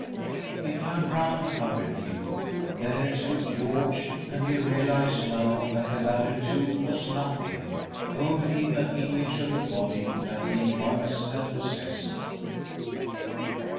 He turned round hurriedly. There stood George, and he realised now that the latter, too, was nothing —only an image of the body that he once had possessed.